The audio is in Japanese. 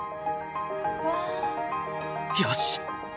よし。